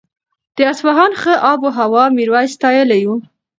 د اصفهان ښه آب و هوا میرویس ستایلې وه.